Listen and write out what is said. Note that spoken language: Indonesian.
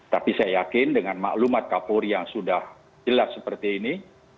tapi saya yakin dengan maklumat kapolri yang sudah jelas seperti ini